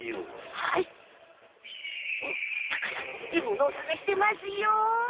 おっタカさんえものをさがしてますよ。